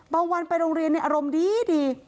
วันไปโรงเรียนในอารมณ์ดี